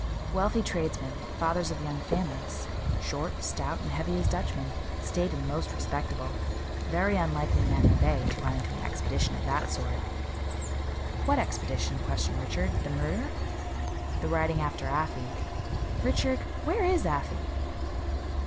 Wealthy tradesmen, fathers of young families, short, stout, and heavy as Dutchmen, staid and most respectable. Very unlikely men are they, to run into an expedition of that sort." "What expedition?" questioned Richard. "The murder?" "The riding after Afy. Richard, where is Afy?"